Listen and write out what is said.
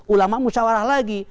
ulama musyawarah lagi